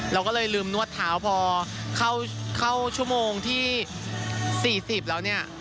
เราก็เลยลืมนวดเท้าพอเข้าชั่วโมงที่๔๐แล้วเนี่ย